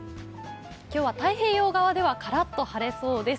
今日は太平洋側ではカラッと晴れそうです。